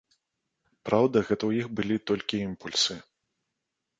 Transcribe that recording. Праўда, гэта ў іх былі толькі імпульсы.